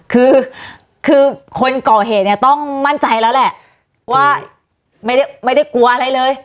คือคือคนก่อเหตุเนี่ยต้องมั่นใจแล้วแหละว่าไม่ได้กลัวอะไรเลย